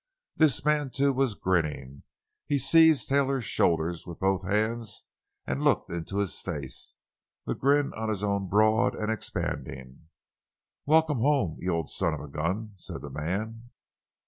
This man, too, was grinning. He seized Taylor's shoulders with both hands and looked into his face, the grin on his own broad and expanding. "Welcome home—you old son of a gun!" said the man.